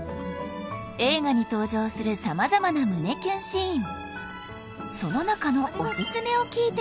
映画に登場する様々な胸キュンシーン